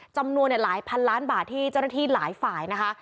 จำนวนหลายพันล้านบาทที่เจ้าหน้าที่หลายฝ่ายนะคะ